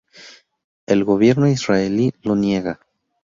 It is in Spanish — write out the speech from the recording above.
El gobierno israelí lo niega.